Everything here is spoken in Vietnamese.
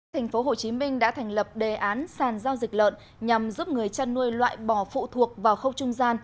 thành phố hồ chí minh đã thành lập đề án sàn giao dịch lợn nhằm giúp người chăn nuôi loại bò phụ thuộc vào khâu trung gian